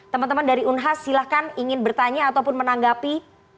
teman teman dari unhas silahkan ingin bertanya ataupun menanggapi